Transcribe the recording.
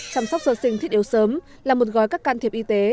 chăm sóc sơ sinh thiết yếu sớm là một gói các can thiệp y tế